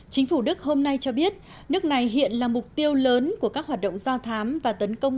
chính phủ đức hôm nay cho biết nước này hiện là mục tiêu lớn của các hoạt động do thám và tấn công